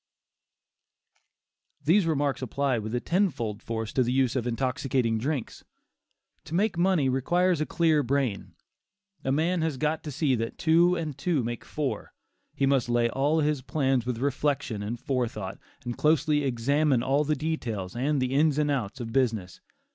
These remarks apply with ten fold force to the use of intoxicating drinks. To make money, requires a clear brain. A man has got to see that two and two make four; he must lay all his plans with reflection and forethought, and closely examine all the details and the ins and outs of business.